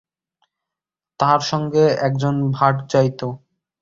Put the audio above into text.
তাঁহার সঙ্গে সঙ্গে একজন ভাট যাইত।